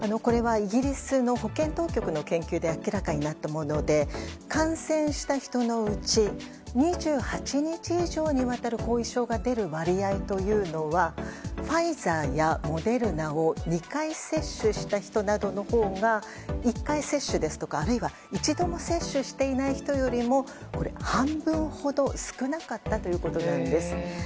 イギリスの保健当局の研究で明らかになったもので感染した人のうち２８日以上にわたる後遺症が出る割合はファイザーやモデルナを２回接種した人などのほうが１回接種、あるいは一度も接種したことがない人よりも半分ほど少なかったということなんです。